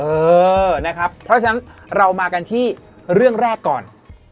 เออนะครับเพราะฉะนั้นเรามากันที่เรื่องแรกก่อน